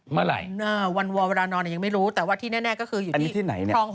เมื่อไหร่วันวอลเวลานอนเนี่ยยังไม่รู้แต่ว่าที่แน่ก็คืออยู่ที่ไหนเนี่ย